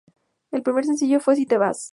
El primer sencillo fue "Si te vas.